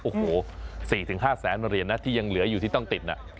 โอ้โห๔๕แสนเหรียญนะที่ยังเหลืออยู่ที่ต้องติดน่ะ